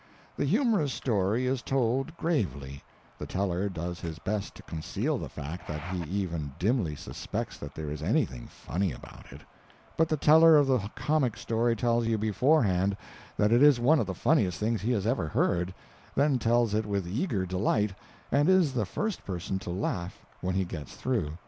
The humorous story is told gravely; the teller does his best to conceal the fact that he even dimly suspects that there is anything funny about it; but the teller of the comic story tells you beforehand that it is one of the funniest things he has ever heard, then tells it with eager delight, and is the first person to laugh when he gets through.